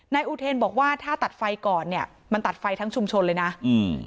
นายอุเทนบอกว่าถ้าตัดไฟก่อนเนี้ยมันตัดไฟทั้งชุมชนเลยนะอืม